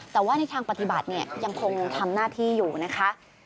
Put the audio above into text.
แต่ว่าในทางปฏิบัติเนี่ยยังคงทำหน้าที่อยู่นะคะ